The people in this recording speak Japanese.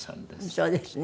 そうですね。